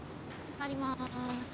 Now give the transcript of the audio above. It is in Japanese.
入ります。